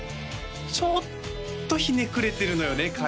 ちょっとひねくれてるのよね